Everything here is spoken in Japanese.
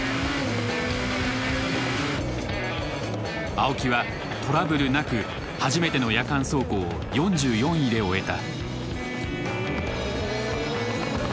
青木はトラブルなく初めての夜間走行を４４位で終えた。